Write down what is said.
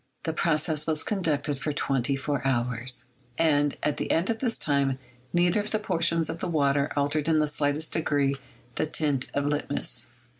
The process was conducted for twenty four hours, and at the end of this time neither of the portions of the water altered in the slightest degree the tint of litmus.